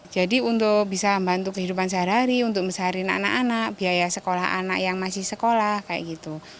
jadi untuk bisa membantu kehidupan sehari hari untuk mesaharin anak anak biaya sekolah anak yang masih sekolah kayak gitu